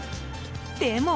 でも。